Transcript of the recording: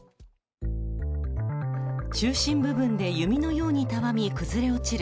中心部分で弓のようにたわみ崩れ落ちる